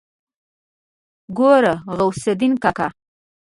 ګوره غوث الدين کاکا.